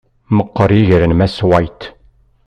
Meqqeṛ yiger n Mass White.